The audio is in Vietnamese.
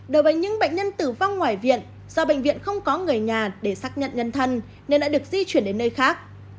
đối với những bệnh nhân tử vong ngoài viện do bệnh viện không có người nhà để xác nhận nhân thân nên đã được di chuyển đến nơi khác